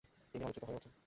তিনি আলোচিত হয়ে উঠেন।